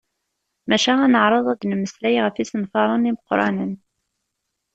Maca ad neɛreḍ ad d-nemmeslay ɣef yisenfaren imeqqranen.